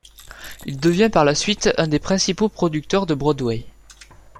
Il devient par la suite un des principaux producteurs de Broadway.